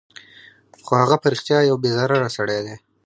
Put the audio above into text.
خو هغه په رښتیا یو بې ضرره سړی دی